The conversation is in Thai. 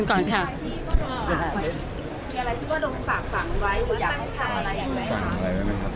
แกไม่คิดว่าแกจะไปเหมือนกัน